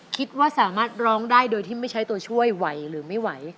คิดว่าสามารถร้องได้โดยที่ไม่ใช้ตัวช่วยไหวหรือไม่ไหว